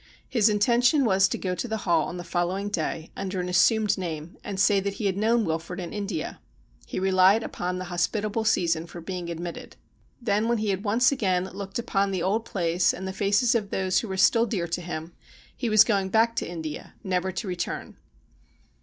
His intention was to go to the Hall on the following day, under an assumed name, and say that he had known Wilfrid in India. He relied upon the hospitable season for being admitted. Then when he had once again looked upon the old place and the faces of those who were still dear to him, he was going back to India never to return.